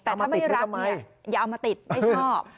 เอามาติดหรือทำไมแต่ถ้าไม่ได้รักอย่าเอามาติดไม่ชอบ